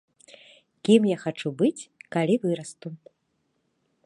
Кім я хачу быць, калі вырасту.